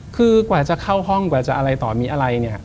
คือกว่าจะเข้าห้องกว่าจะอะไรต่อมีอะไรเนี่ย